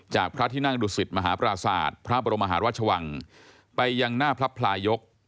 พระที่นั่งดุสิตมหาปราศาสตร์พระบรมหาราชวังไปยังหน้าพระพลายก